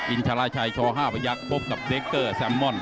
อินทราชัยช๕พยักษ์พบกับเดคเกอร์แซมม่อน